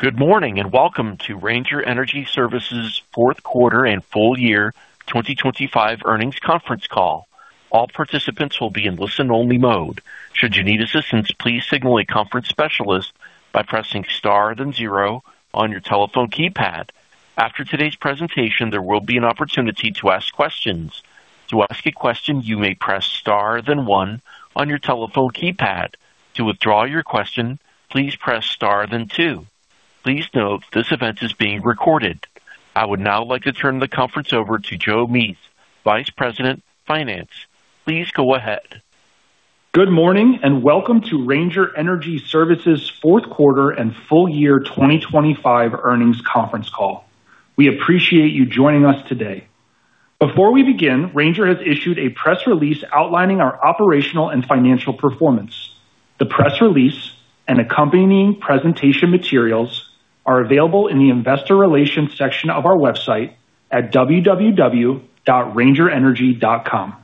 Good morning, and welcome to Ranger Energy Services' fourth quarter and full year 2025 earnings conference call. All participants will be in listen-only mode. Should you need assistance, please signal a conference specialist by pressing star then zero on your telephone keypad. After today's presentation, there will be an opportunity to ask questions. To ask a question, you may press star then one on your telephone keypad. To withdraw your question, please press star then two. Please note this event is being recorded. I would now like to turn the conference over to Joe Mease, Vice President, Finance. Please go ahead. Good morning, welcome to Ranger Energy Services' Q4 and full year 2025 earnings conference call. We appreciate you joining us today. Before we begin, Ranger has issued a press release outlining our operational and financial performance. The press release and accompanying presentation materials are available in the investor relations section of our website at www.rangerenergy.com.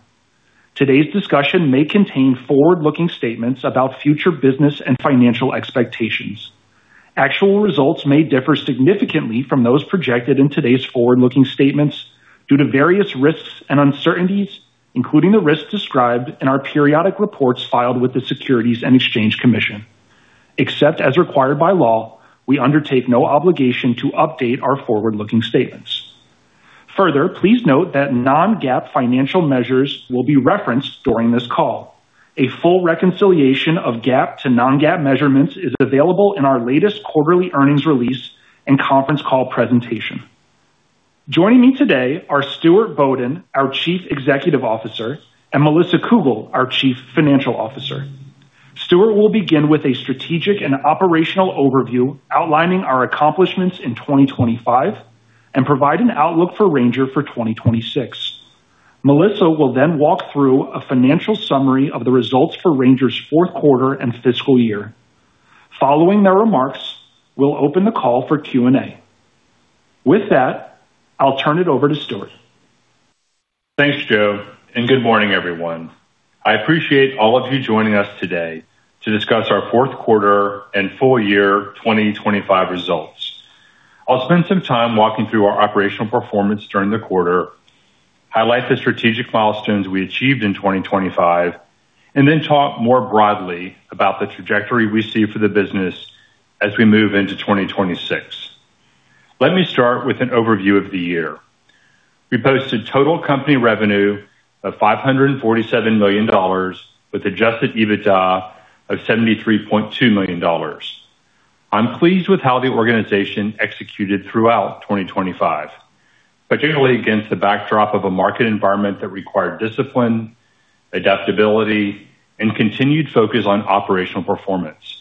Today's discussion may contain forward-looking statements about future business and financial expectations. Actual results may differ significantly from those projected in today's forward-looking statements due to various risks and uncertainties, including the risks described in our periodic reports filed with the Securities and Exchange Commission. Except as required by law, we undertake no obligation to update our forward-looking statements. Please note that non-GAAP financial measures will be referenced during this call. A full reconciliation of GAAP to non-GAAP measurements is available in our latest quarterly earnings release and conference call presentation. Joining me today are Stuart Bodden, our Chief Executive Officer, and Melissa Cougle, our Chief Financial Officer. Stuart will begin with a strategic and operational overview outlining our accomplishments in 2025 and provide an outlook for Ranger for 2026. Melissa will then walk through a financial summary of the results for Ranger's Q4 and fiscal year. Following their remarks, we'll open the call for Q&A. With that, I'll turn it over to Stuart. Thanks, Joe, and good morning, everyone. I appreciate all of you joining us today to discuss our Q4 and full year 2025 results. I'll spend some time walking through our operational performance during the quarter, highlight the strategic milestones we achieved in 2025, and then talk more broadly about the trajectory we see for the business as we move into 2026. Let me start with an overview of the year. We posted total company revenue of $547 million with Adjusted EBITDA of $73.2 million. I'm pleased with how the organization executed throughout 2025, particularly against the backdrop of a market environment that required discipline, adaptability, and continued focus on operational performance.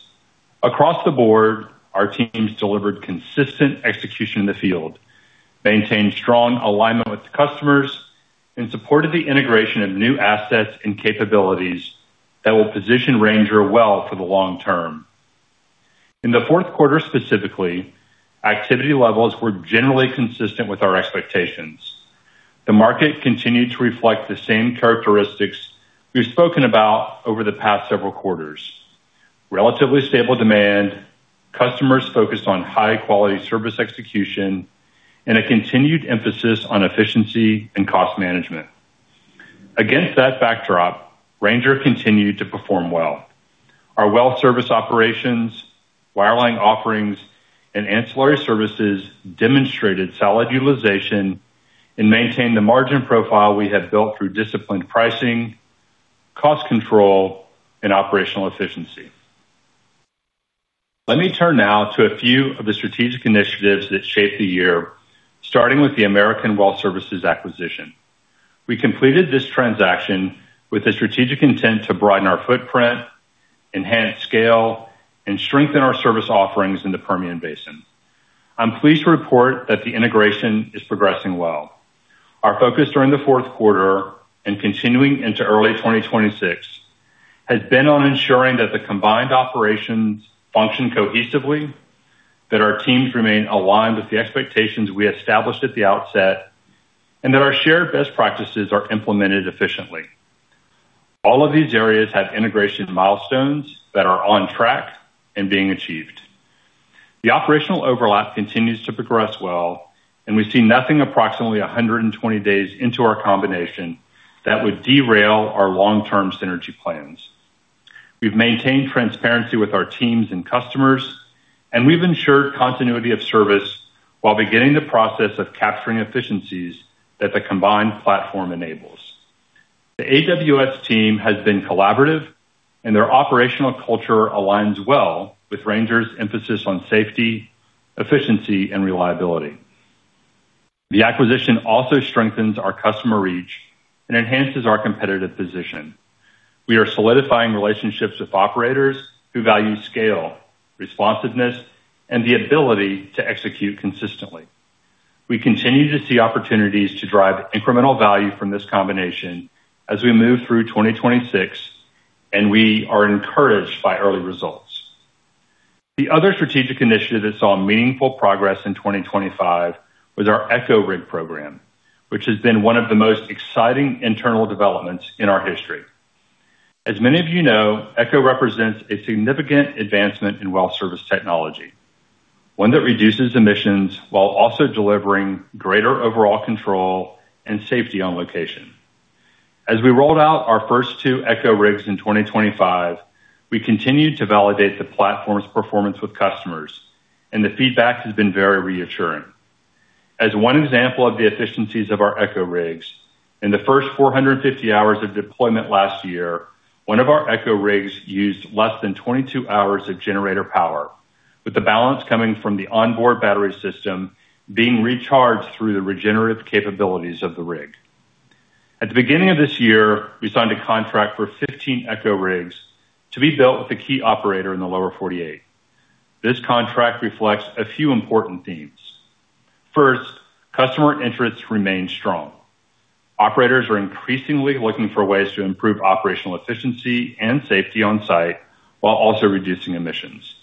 Across the board, our teams delivered consistent execution in the field, maintained strong alignment with customers, and supported the integration of new assets and capabilities that will position Ranger well for the long term. In the Q4 specifically, activity levels were generally consistent with our expectations. The market continued to reflect the same characteristics we've spoken about over the past several quarters. Relatively stable demand, customers focused on high-quality service execution, and a continued emphasis on efficiency and cost management. Against that backdrop, Ranger continued to perform well. Our well service operations, wireline offerings, and ancillary services demonstrated solid utilization and maintained the margin profile we had built through disciplined pricing, cost control, and operational efficiency. Let me turn now to a few of the strategic initiatives that shaped the year, starting with the American Well Services acquisition. We completed this transaction with the strategic intent to broaden our footprint, enhance scale, and strengthen our service offerings in the Permian Basin. I'm pleased to report that the integration is progressing well. Our focus during the Q4 and continuing into early 2026 has been on ensuring that the combined operations function cohesively, that our teams remain aligned with the expectations we established at the outset, and that our shared best practices are implemented efficiently. All of these areas have integration milestones that are on track and being achieved. The operational overlap continues to progress well. We see nothing approximately 120 days into our combination that would derail our long-term synergy plans. We've maintained transparency with our teams and customers. We've ensured continuity of service while beginning the process of capturing efficiencies that the combined platform enables. The AWS team has been collaborative, and their operational culture aligns well with Ranger's emphasis on safety, efficiency, and reliability. The acquisition also strengthens our customer reach and enhances our competitive position. We are solidifying relationships with operators who value scale, responsiveness, and the ability to execute consistently. We continue to see opportunities to drive incremental value from this combination as we move through 2026, and we are encouraged by early results. The other strategic initiative that saw meaningful progress in 2025 was our EchoRig program, which has been one of the most exciting internal developments in our history. As many of you know, Echo represents a significant advancement in well service technology, one that reduces emissions while also delivering greater overall control and safety on location. As we rolled out our first two Echo rigs in 2025, we continued to validate the platform's performance with customers, and the feedback has been very reassuring. As one example of the efficiencies of our Echo rigs, in the first 450 hours of deployment last year, one of our Echo rigs used less than 22 hours of generator power, with the balance coming from the onboard battery system being recharged through the regenerative capabilities of the rig. At the beginning of this year, we signed a contract for 15 Echo rigs to be built with a key operator in the lower 48. This contract reflects a few important themes. First, customer interest remains strong. Operators are increasingly looking for ways to improve operational efficiency and safety on site while also reducing emissions.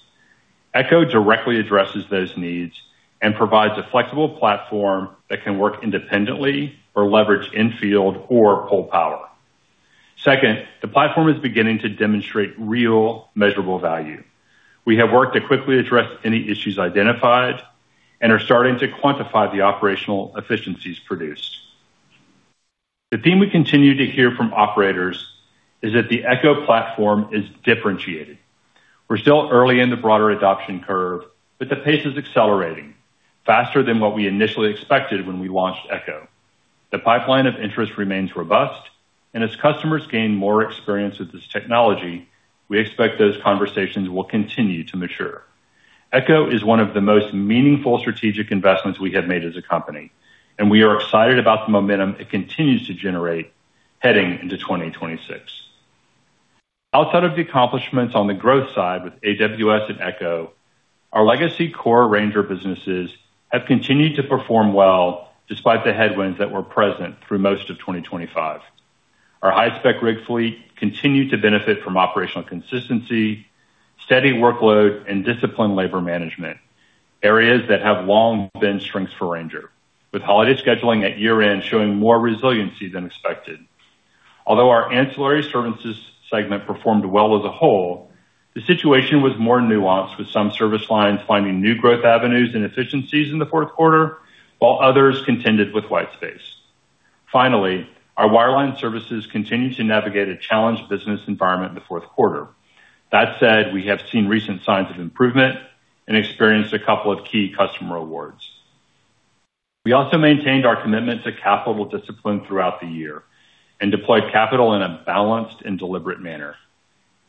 Echo directly addresses those needs and provides a flexible platform that can work independently or leverage infield or pull power. Second, the platform is beginning to demonstrate real measurable value. We have worked to quickly address any issues identified and are starting to quantify the operational efficiencies produced. The theme we continue to hear from operators is that the Echo platform is differentiated. We're still early in the broader adoption curve, but the pace is accelerating faster than what we initially expected when we launched Echo. The pipeline of interest remains robust, and as customers gain more experience with this technology, we expect those conversations will continue to mature. Echo is one of the most meaningful strategic investments we have made as a company, and we are excited about the momentum it continues to generate heading into 2026. Outside of the accomplishments on the growth side with AWS and Echo, our legacy core Ranger businesses have continued to perform well despite the headwinds that were present through most of 2025. Our high-spec rig fleet continued to benefit from operational consistency, steady workload, and disciplined labor management, areas that have long been strengths for Ranger, with holiday scheduling at year-end showing more resiliency than expected. Our ancillary services segment performed well as a whole, the situation was more nuanced, with some service lines finding new growth avenues and efficiencies in the Q4, while others contended with white space. Our wireline services continued to navigate a challenged business environment in the Q4. That said, we have seen recent signs of improvement and experienced a couple of key customer awards. We also maintained our commitment to capital discipline throughout the year and deployed capital in a balanced and deliberate manner,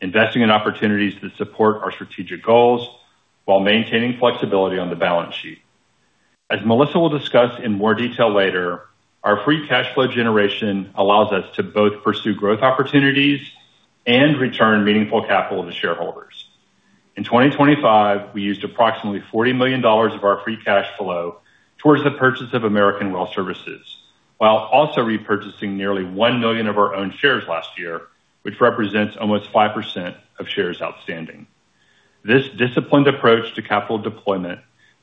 investing in opportunities to support our strategic goals while maintaining flexibility on the balance sheet. As Melissa will discuss in more detail later, our free cash flow generation allows us to both pursue growth opportunities and return meaningful capital to shareholders. In 2025, we used approximately $40 million of our free cash flow towards the purchase of American Well Services, while also repurchasing nearly one million of our own shares last year, which represents almost 5% of shares outstanding. This disciplined approach to capital deployment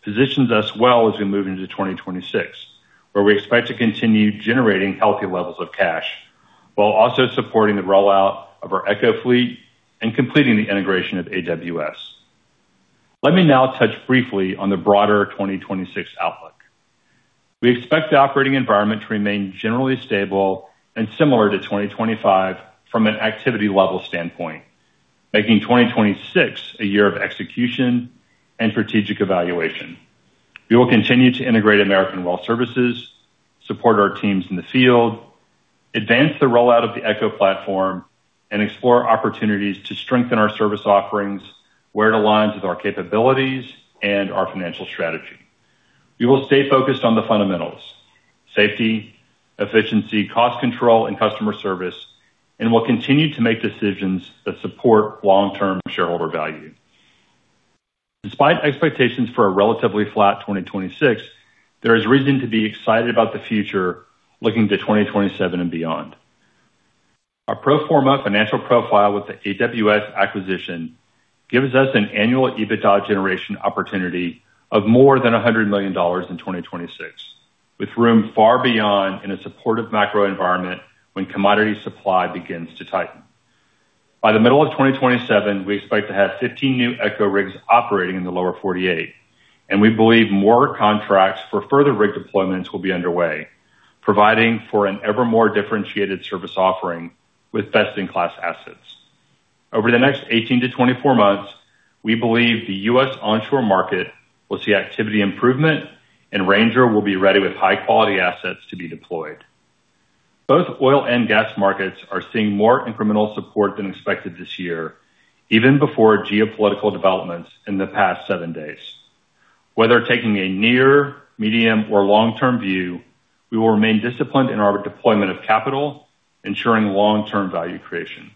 positions us well as we move into 2026, where we expect to continue generating healthy levels of cash while also supporting the rollout of our Echo fleet and completing the integration of AWS. Let me now touch briefly on the broader 2026 outlook. We expect the operating environment to remain generally stable and similar to 2025 from an activity level standpoint, making 2026 a year of execution and strategic evaluation. We will continue to integrate American Well Services, support our teams in the field, advance the rollout of the Echo platform, and explore opportunities to strengthen our service offerings where it aligns with our capabilities and our financial strategy. We will stay focused on the fundamentals: safety, efficiency, cost control, and customer service, and will continue to make decisions that support long-term shareholder value. Despite expectations for a relatively flat 2026, there is reason to be excited about the future looking to 2027 and beyond. Our pro forma financial profile with the AWS acquisition gives us an annual EBITDA generation opportunity of more than $100 million in 2026, with room far beyond in a supportive macro environment when commodity supply begins to tighten. By the middle of 2027, we expect to have 15 new Echo rigs operating in the lower 48. We believe more contracts for further rig deployments will be underway, providing for an ever more differentiated service offering with best-in-class assets. Over the next 18 to 24 months, we believe the U.S. onshore market will see activity improvement. Ranger will be ready with high-quality assets to be deployed. Both oil and gas markets are seeing more incremental support than expected this year, even before geopolitical developments in the past seven days. Whether taking a near, medium, or long-term view, we will remain disciplined in our deployment of capital, ensuring long-term value creation.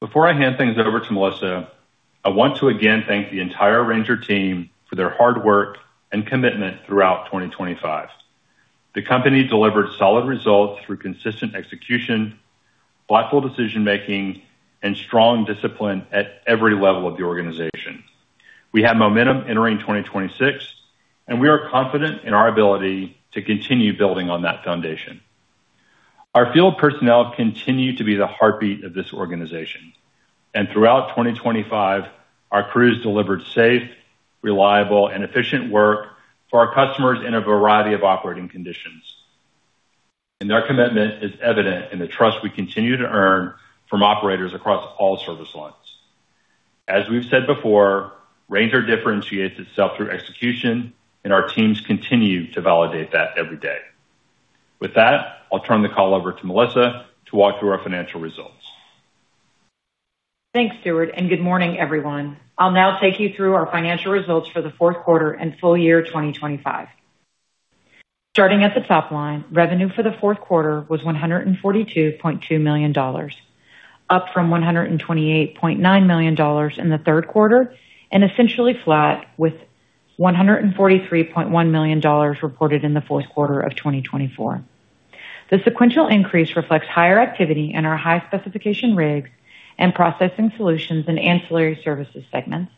Before I hand things over to Melissa, I want to again thank the entire Ranger team for their hard work and commitment throughout 2025. The company delivered solid results through consistent execution, thoughtful decision-making, and strong discipline at every level of the organization. We have momentum entering 2026, and we are confident in our ability to continue building on that foundation. Our field personnel continue to be the heartbeat of this organization. Throughout 2025, our crews delivered safe, reliable, and efficient work for our customers in a variety of operating conditions. Their commitment is evident in the trust we continue to earn from operators across all service lines. As we've said before, Ranger differentiates itself through execution, and our teams continue to validate that every day. With that, I'll turn the call over to Melissa to walk through our financial results. Thanks, Stuart, and good morning, everyone. I'll now take you through our financial results for the Q4 and full year 2025. Starting at the top line, revenue for the Q4 was $142.2 million, up from $128.9 million in the Q3, and essentially flat with $143.1 million reported in the Q4 of 2024. The sequential increase reflects higher activity in our high-specification rigs and Processing Solutions and Ancillary Services segments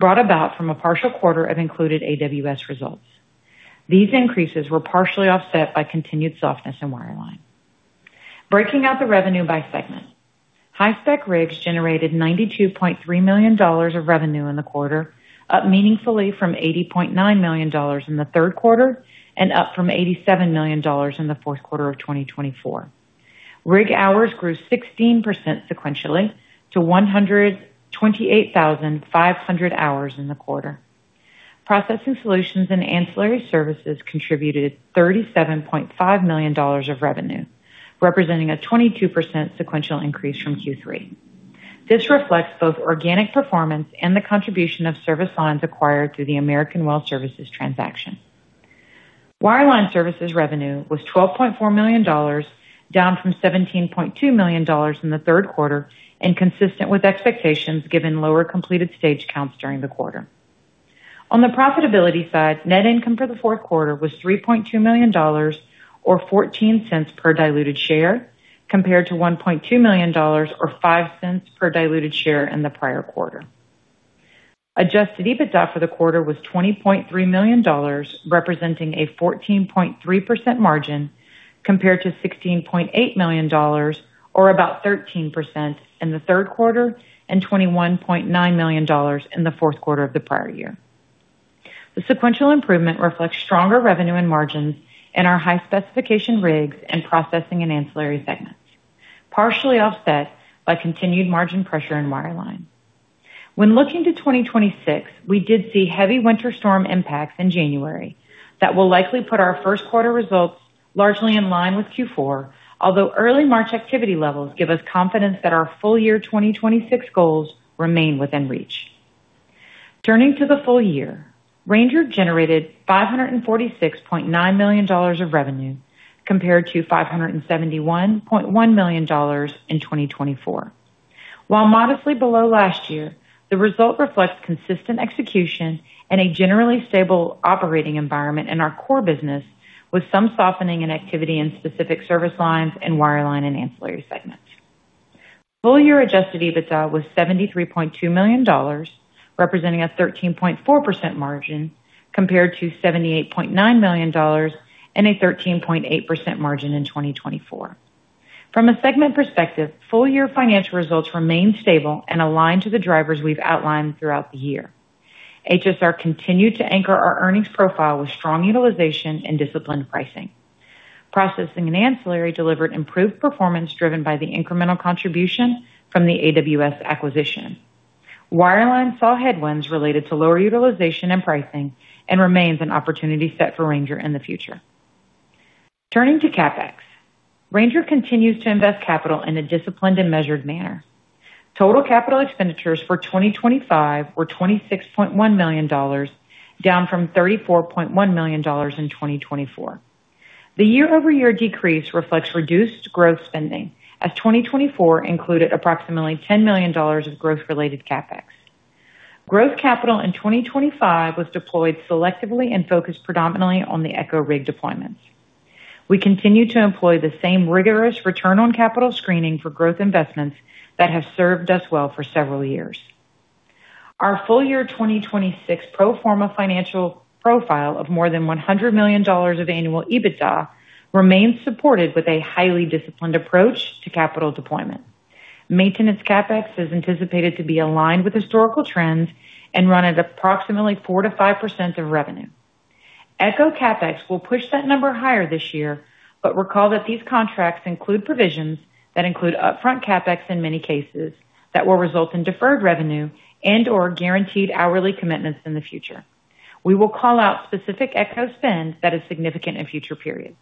brought about from a partial quarter of included AWS results. These increases were partially offset by continued softness in wireline. Breaking out the revenue by segment. High-spec rigs generated $92.3 million of revenue in the quarter, up meaningfully from $80.9 million in the Q3 and up from $87 million in the Q4 of 2024. Rig hours grew 16% sequentially to 128,500 hours in the quarter. Processing Solutions and Ancillary Services contributed $37.5 million of revenue, representing a 22% sequential increase from Q3. This reflects both organic performance and the contribution of service lines acquired through the American Well Services transaction. Wireline services revenue was $12.4 million, down from $17.2 million in the Q3 and consistent with expectations given lower completed stage counts during the quarter. On the profitability side, net income for the Q4 was $3.2 million or $0.14 per diluted share, compared to $1.2 million or $0.05 per diluted share in the prior quarter. Adjusted EBITDA for the quarter was $20.3 million, representing a 14.3% margin compared to $16.8 million or about 13% in the Q3 and $21.9 million in the Q4 of the prior year. The sequential improvement reflects stronger revenue and margins in our high-specification rigs and processing and ancillary segments, partially offset by continued margin pressure in wireline. When looking to 2026, we did see heavy winter storm impacts in January that will likely put our Q1 results largely in line with Q4, although early March activity levels give us confidence that our full year 2026 goals remain within reach. Turning to the full year, Ranger generated $546.9 million of revenue compared to $571.1 million in 2024. While modestly below last year, the result reflects consistent execution and a generally stable operating environment in our core business, with some softening in activity in specific service lines and wireline and ancillary segments. Full year Adjusted EBITDA was $73.2 million, representing a 13.4% margin compared to $78.9 million and a 13.8% margin in 2024. From a segment perspective, full-year financial results remain stable and aligned to the drivers we've outlined throughout the year. HSR continued to anchor our earnings profile with strong utilization and disciplined pricing. Processing and ancillary delivered improved performance driven by the incremental contribution from the AWS acquisition. Wireline saw headwinds related to lower utilization and pricing and remains an opportunity set for Ranger in the future. Turning to CapEx, Ranger continues to invest capital in a disciplined and measured manner. Total capital expenditures for 2025 were $26.1 million, down from $34.1 million in 2024. The year-over-year decrease reflects reduced growth spending as 2024 included approximately $10 million of growth-related CapEx. Growth capital in 2025 was deployed selectively and focused predominantly on the EchoRig deployments. We continue to employ the same rigorous return on capital screening for growth investments that have served us well for several years. Our full year 2026 pro forma financial profile of more than $100 million of annual EBITDA remains supported with a highly disciplined approach to capital deployment. Maintenance CapEx is anticipated to be aligned with historical trends and run at approximately 4%-5% of revenue. Echo CapEx will push that number higher this year, recall that these contracts include provisions that include upfront CapEx in many cases that will result in deferred revenue and/or guaranteed hourly commitments in the future. We will call out specific Echo spend that is significant in future periods.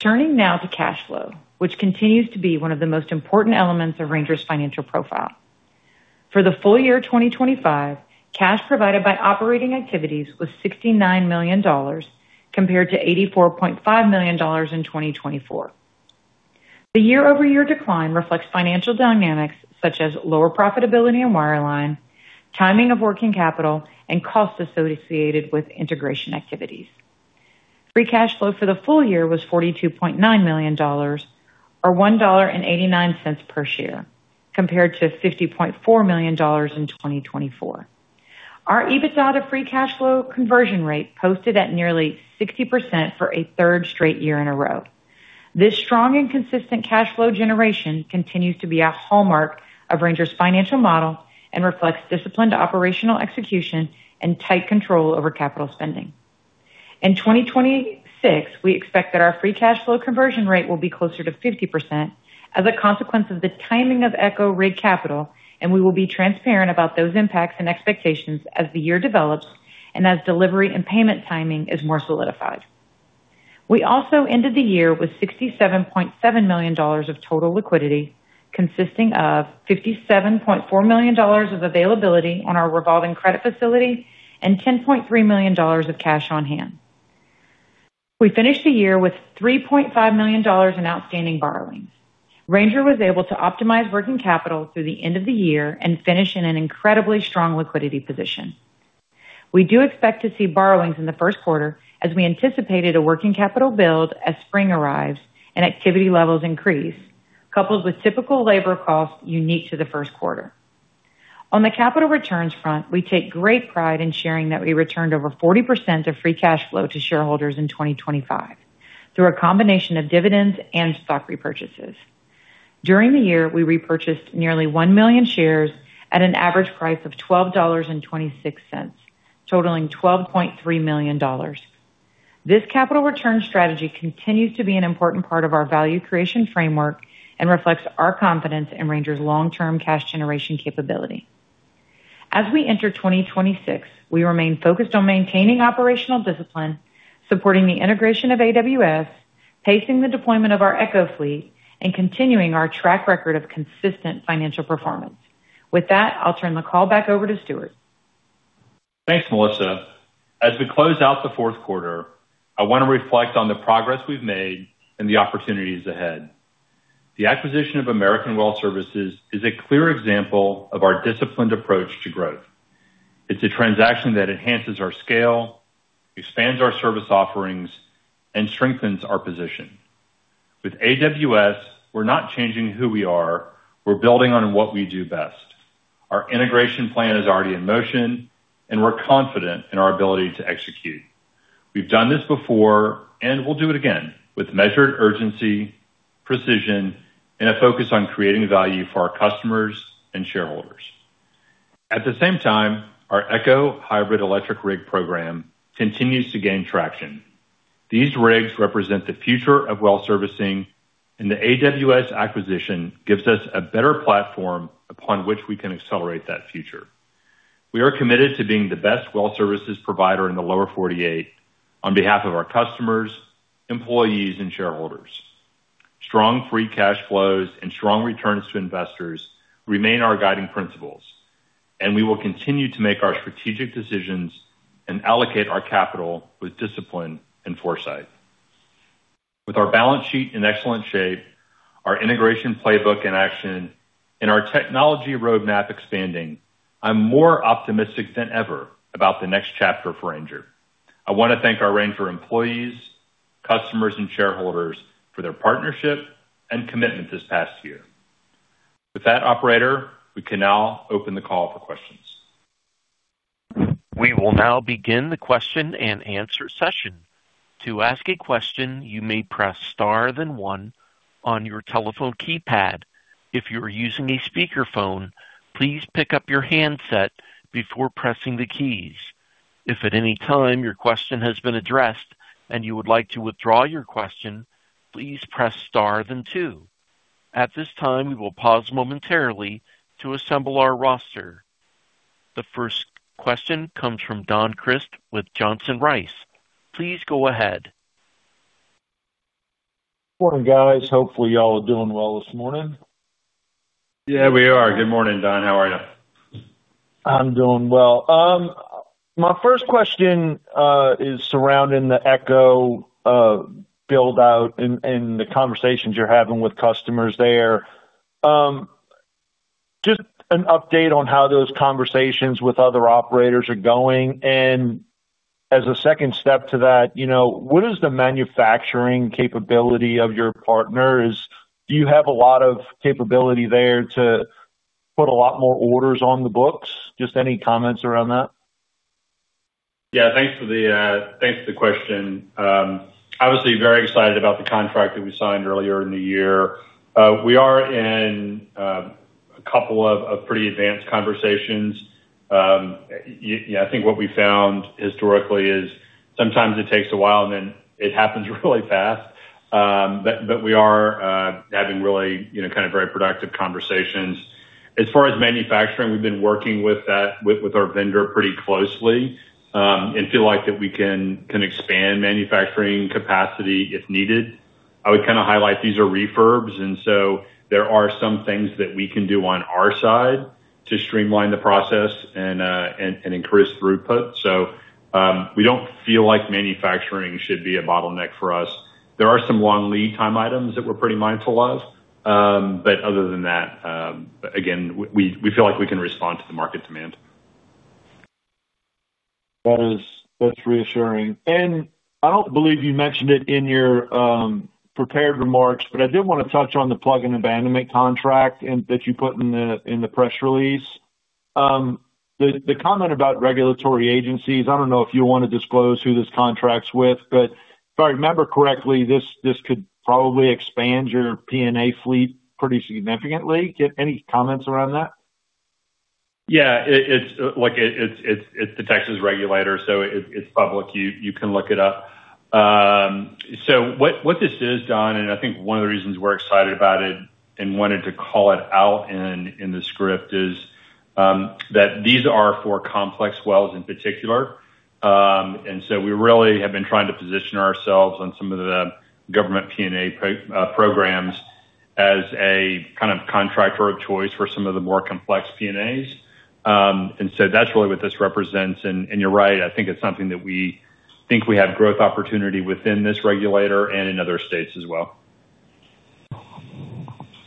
Turning now to cash flow, which continues to be one of the most important elements of Ranger's financial profile. For the full year 2025, cash provided by operating activities was $69 million compared to $84.5 million in 2024. The year-over-year decline reflects financial dynamics such as lower profitability in wireline, timing of working capital, and costs associated with integration activities. Free cash flow for the full year was $42.9 million or $1.89 per share, compared to $50.4 million in 2024. Our EBITDA free cash flow conversion rate posted at nearly 60% for a third straight year in a row. This strong and consistent cash flow generation continues to be a hallmark of Ranger's financial model and reflects disciplined operational execution and tight control over capital spending. In 2026, we expect that our free cash flow conversion rate will be closer to 50% as a consequence of the timing of EchoRig capital. We will be transparent about those impacts and expectations as the year develops and as delivery and payment timing is more solidified. We also ended the year with $67.7 million of total liquidity, consisting of $57.4 million of availability on our revolving credit facility and $10.3 million of cash on hand. We finished the year with $3.5 million in outstanding borrowings. Ranger was able to optimize working capital through the end of the year and finish in an incredibly strong liquidity position. We do expect to see borrowings in the Q1 as we anticipated a working capital build as spring arrives and activity levels increase, coupled with typical labor costs unique to the Q1. On the capital returns front, we take great pride in sharing that we returned over 40% of free cash flow to shareholders in 2025 through a combination of dividends and stock repurchases. During the year, we repurchased nearly one million shares at an average price of $12.26, totaling $12.3 million. This capital return strategy continues to be an important part of our value creation framework and reflects our confidence in Ranger's long-term cash generation capability. As we enter 2026, we remain focused on maintaining operational discipline, supporting the integration of AWS, pacing the deployment of our Echo fleet, and continuing our track record of consistent financial performance. With that, I'll turn the call back over to Stuart. Thanks, Melissa. As we close out the Q4, I want to reflect on the progress we've made and the opportunities ahead. The acquisition of American Well Services is a clear example of our disciplined approach to growth. It's a transaction that enhances our scale, expands our service offerings, and strengthens our position. With AWS, we're not changing who we are. We're building on what we do best. Our integration plan is already in motion, and we're confident in our ability to execute. We've done this before, and we'll do it again with measured urgency, precision, and a focus on creating value for our customers and shareholders. At the same time, our Echo hybrid electric rig program continues to gain traction. These rigs represent the future of well servicing, and the AWS acquisition gives us a better platform upon which we can accelerate that future. We are committed to being the best well services provider in the lower 48 on behalf of our customers, employees, and shareholders. Strong free cash flows and strong returns to investors remain our guiding principles, and we will continue to make our strategic decisions and allocate our capital with discipline and foresight. With our balance sheet in excellent shape, our integration playbook in action, and our technology roadmap expanding, I'm more optimistic than ever about the next chapter for Ranger. I want to thank our Ranger employees, customers, and shareholders for their partnership and commitment this past year. With that, operator, we can now open the call for questions. We will now begin the question-and-answer session. To ask a question, you may press star then one on your telephone keypad. If you are using a speakerphone, please pick up your handset before pressing the keys. If at any time your question has been addressed and you would like to withdraw your question, please press star then two. At this time, we will pause momentarily to assemble our roster. The first question comes from Don Crist with Johnson Rice. Please go ahead. Morning, guys. Hopefully y'all are doing well this morning. Yeah, we are. Good morning, Don. How are you? I'm doing well. My first question is surrounding the Echo build-out and the conversations you're having with customers there. Just an update on how those conversations with other operators are going. As a second step to that, you know, what is the manufacturing capability of your partners? Do you have a lot of capability there to put a lot more orders on the books? Just any comments around that. Yeah, thanks for the thanks for the question. Obviously very excited about the contract that we signed earlier in the year. We are in a couple of pretty advanced conversations. Yeah, I think what we found historically is sometimes it takes a while and then it happens really fast. We are having really, you know, kind of very productive conversations. As far as manufacturing, we've been working with our vendor pretty closely, and feel like that we can expand manufacturing capacity if needed. I would kinda highlight these are refurbs, and so there are some things that we can do on our side to streamline the process and increase throughput. We don't feel like manufacturing should be a bottleneck for us. There are some long lead time items that we're pretty mindful of. Other than that, again, we feel like we can respond to the market demand. That is, that's reassuring. I don't believe you mentioned it in your prepared remarks, but I did wanna touch on the plug and abandonment contract and that you put in the in the press release. The comment about regulatory agencies, I don't know if you wanna disclose who this contract's with, but if I remember correctly, this could probably expand your P&A fleet pretty significantly. Give any comments around that? Yeah. It, it's, like, it's, it's the Texas regulator, so it's public. You, you can look it up. What this is, Don, and I think one of the reasons we're excited about it and wanted to call it out in the script is that these are for complex wells in particular. We really have been trying to position ourselves on some of the government P&A programs as a kind of contractor of choice for some of the more complex P&As. That's really what this represents. You're right, I think it's something that we think we have growth opportunity within this regulator and in other states as well.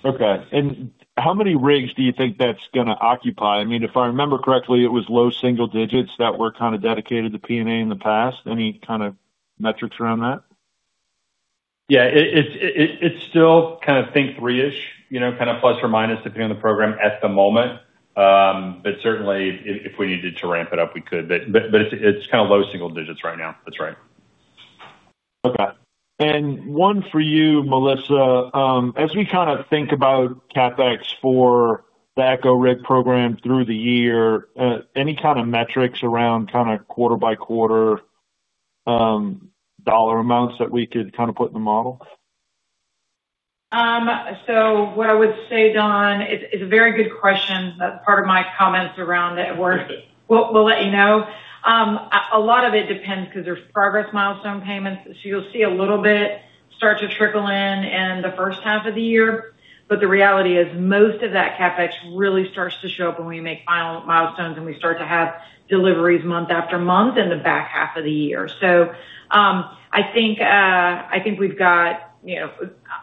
Okay. How many rigs do you think that's gonna occupy? I mean, if I remember correctly, it was low single digits that were kinda dedicated to P&A in the past. Any kind of metrics around that? Yeah. It's still kind of think three-ish, you know, kind of plus or minus, depending on the program at the moment. Certainly if we needed to ramp it up, we could. But it's kind of low single digits right now. That's right. Okay. One for you, Melissa. As we kinda think about CapEx for the EchoRig program through the year, any kind of metrics around kinda quarter by quarter, dollar amounts that we could kinda put in the model? What I would say, Don, it's a very good question. That's part of my comments around it. We'll let you know. A lot of it depends because there's progress milestone payments, so you'll see a little bit start to trickle in in the first half of the year. The reality is most of that CapEx really starts to show up when we make final milestones and we start to have deliveries month after month in the back half of the year. I think we've got, you know,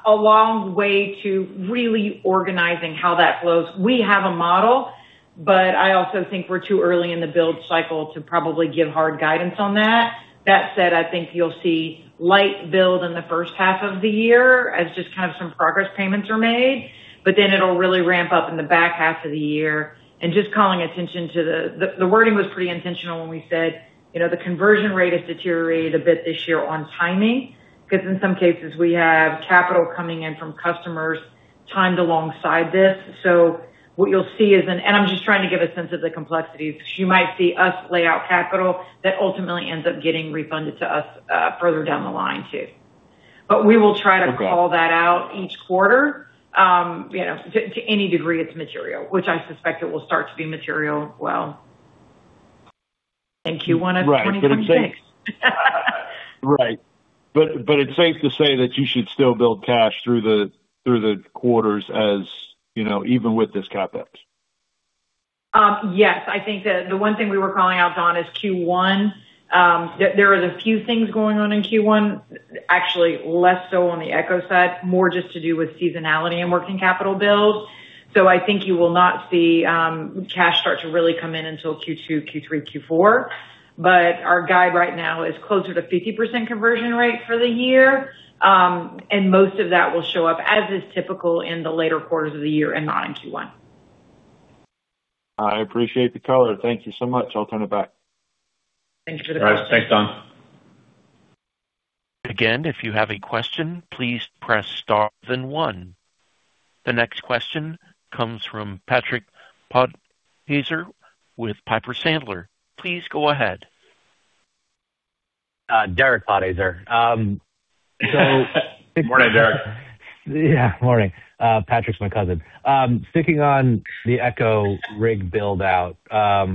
a long way to really organizing how that flows. We have a model, but I also think we're too early in the build cycle to probably give hard guidance on that. That said, I think you'll see light build in the first half of the year as just kind of some progress payments are made, but then it'll really ramp up in the back half of the year. Just calling attention to the wording was pretty intentional when we said, you know, the conversion rate has deteriorated a bit this year on timing, 'cause in some cases, we have capital coming in from customers timed alongside this. What you'll see is And I'm just trying to give a sense of the complexities. You might see us lay out capital that ultimately ends up getting refunded to us further down the line too. Okay. We will try to call that out each quarter, you know, to any degree it's material, which I suspect it will start to be material well in Q1 of 2026. Right. It's safe to say that you should still build cash through the quarters, as, you know, even with this CapEx. Yes. I think the one thing we were calling out, Don, is Q1. There is a few things going on in Q1. Actually, less so on the Echo side, more just to do with seasonality and working capital build. I think you will not see cash start to really come in until Q2, Q3, Q4. Our guide right now is closer to 50% conversion rate for the year, and most of that will show up as is typical in the later quarters of the year and not in Q1. I appreciate the color. Thank you so much. I'll turn it back. Thanks for the question. All right. Thanks, Don. Again, if you have a question, please press star then one. The next question comes from Derek Podhaizer with Piper Sandler. Please go ahead. Derek Podhaizer. Morning, Derek. Yeah. Morning. Derek's my cousin. Sticking on the Echo rig build-out, I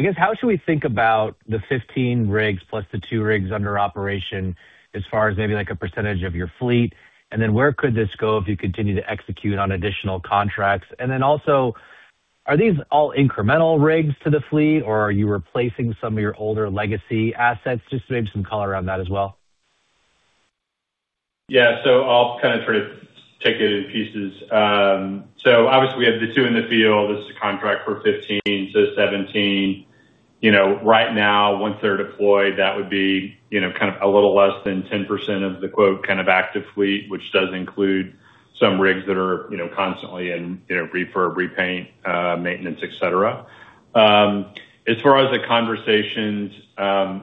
guess how should we think about the 15 rigs plus the two rigs under operation as far as maybe, like, a percentage of your fleet? Where could this go if you continue to execute on additional contracts? Also, are these all incremental rigs to the fleet, or are you replacing some of your older legacy assets? Just maybe some color around that as well. Yeah. I'll kind of try to take it in pieces. Obviously we have the two in the field. This is a contract for 15, so 17. You know, right now, once they're deployed, that would be, you know, kind of a little less than 10% of the, quote, "kind of active fleet," which does include some rigs that are, you know, constantly in, you know, refurb, repaint, maintenance, et cetera. As far as the conversations, I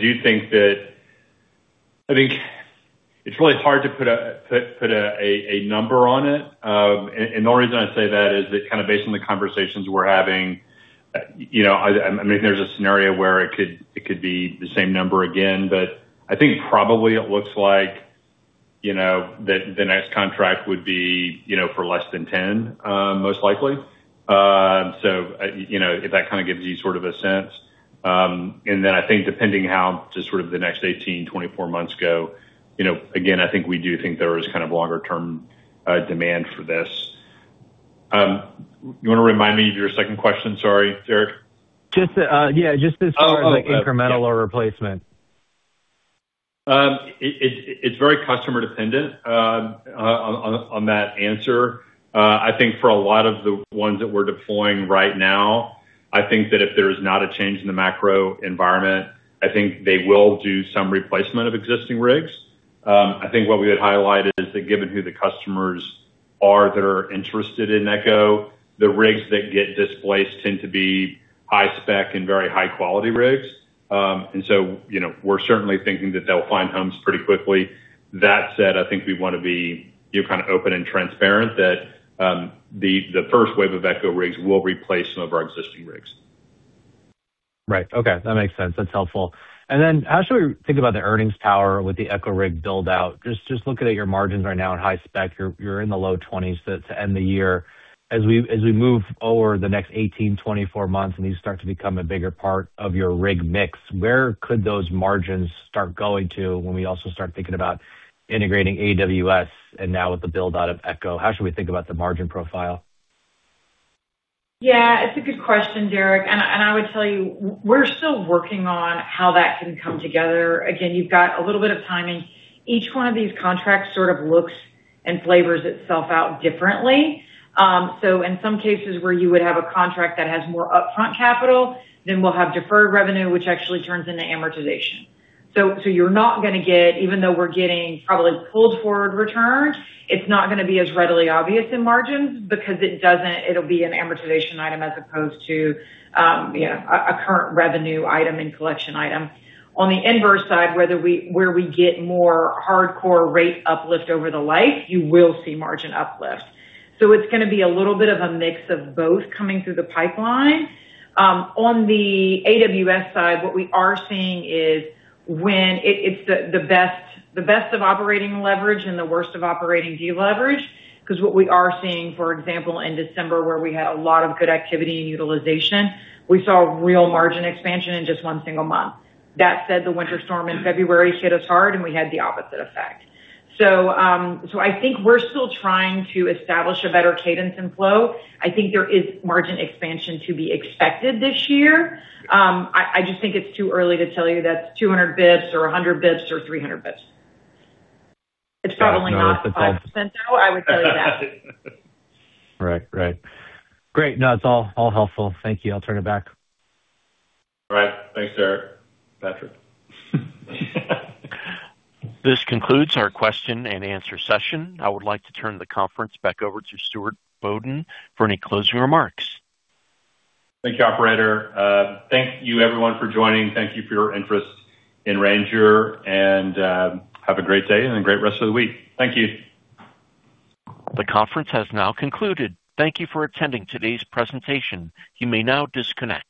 do think I think it's really hard to put a number on it. The reason I say that is that kind of based on the conversations we're having, you know, I mean, there's a scenario where it could, it could be the same number again, but I think probably it looks like, you know, that the next contract would be, you know, for less than 10, most likely. You know, if that kinda gives you sort of a sense. I think depending how just sort of the next 18 to 24 months go, you know, again, I think we do think there is kind of longer term demand for this. You wanna remind me of your second question? Sorry, Derek. Just, yeah, just as far as, like, incremental or replacement. It's very customer dependent on that answer. I think for a lot of the ones that we're deploying right now, I think that if there is not a change in the macro environment, I think they will do some replacement of existing rigs. I think what we would highlight is that given who the customers are that are interested in Echo, the rigs that get displaced tend to be high spec and very high quality rigs. So, you know, we're certainly thinking that they'll find homes pretty quickly. That said, I think we wanna be, you know, kind of open and transparent that the first wave of Echo rigs will replace some of our existing rigs. Right. Okay. That makes sense. That's helpful. Then how should we think about the earnings power with the Echo rig build-out? Just looking at your margins right now in high spec, you're in the low 20s% to end the year. As we move over the next 18-24 months, and these start to become a bigger part of your rig mix, where could those margins start going to when we also start thinking about integrating AWS and now with the build-out of Echo? How should we think about the margin profile? Yeah, it's a good question, Derek. I would tell you, we're still working on how that can come together. Again, you've got a little bit of timing. Each one of these contracts sort of looks and flavors itself out differently. In some cases where you would have a contract that has more upfront capital, then we'll have deferred revenue, which actually turns into amortization. You're not gonna get... Even though we're getting probably pulled forward returns, it's not gonna be as readily obvious in margins because it'll be an amortization item as opposed to, you know, a current revenue item and collection item. On the inverse side, where we get more hardcore rate uplift over the life, you will see margin uplift. It's gonna be a little bit of a mix of both coming through the pipeline. On the AWS side, what we are seeing is when it's the best of operating leverage and the worst of operating deleverage, 'cause what we are seeing, for example, in December, where we had a lot of good activity and utilization, we saw real margin expansion in just one single month. That said, the winter storm in February hit us hard, and we had the opposite effect. I think we're still trying to establish a better cadence and flow. I think there is margin expansion to be expected this year. I just think it's too early to tell you that's 200 bits or 100 bits or 300 bits. It's probably not 5%, though, I would tell you that. Right. Right. Great. No, it's all helpful. Thank you. I'll turn it back. All right. Thanks, Derek. This concludes our question and answer session. I would like to turn the conference back over to Stuart Bodden for any closing remarks. Thank you, operator. Thank you everyone for joining. Thank you for your interest in Ranger, and have a great day and a great rest of the week. Thank you. The conference has now concluded. Thank Thank you for attending today's presentation. You may now disconnect.